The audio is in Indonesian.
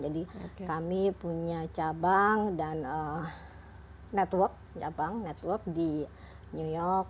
jadi kami punya cabang dan network di new york